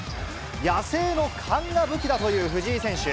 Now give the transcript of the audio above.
野生の勘が武器だという藤井選手。